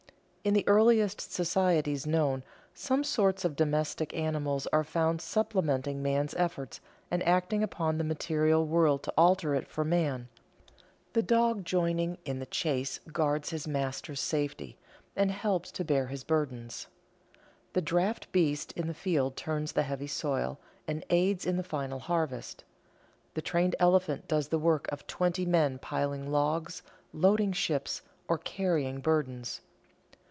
In the earliest societies known, some sorts of domestic animals are found supplementing man's efforts and acting upon the material world to alter it for man. The dog joining in the chase guards his master's safety, and helps to bear his burdens. The draft beast in the field turns the heavy soil, and aids in the final harvest. The trained elephant does the work of twenty men piling logs, loading ships, or carrying burdens.